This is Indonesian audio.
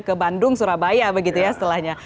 ke bandung surabaya begitu ya setelahnya